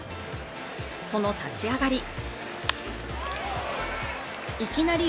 その立ち上がり